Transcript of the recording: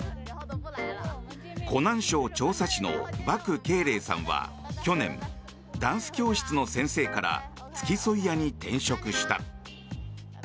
湖南省長沙市のバク・ケイレイさんは去年ダンス教室の先生から付き添い屋に転職した。